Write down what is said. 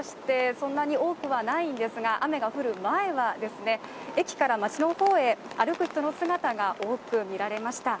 そんなに多くはないんですが、雨が降る前は駅から街の方へ歩く人の姿が多く見られました。